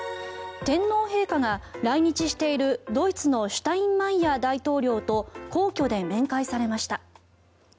天皇陛下が来日しているドイツのシュタインマイヤー大統領と皇居で面会されました。